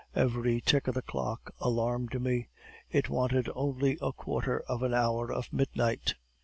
Every tick of the clock alarmed me. It wanted only a quarter of an hour of midnight.